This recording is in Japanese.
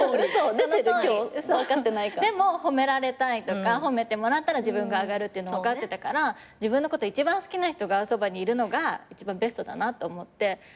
でも褒められたいとか褒めてもらったら自分が上がるっていうのは分かってたから自分のこと一番好きな人がそばにいるのが一番ベストだなと思って。